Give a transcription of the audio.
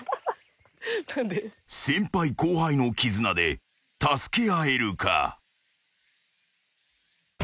［先輩後輩の絆で助け合えるか？］